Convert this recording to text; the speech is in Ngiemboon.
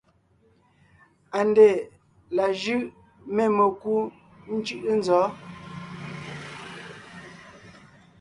ANDÈ la jʉ̂ʼ mê mekú ńcʉ̂ʼʉ nzɔ̌?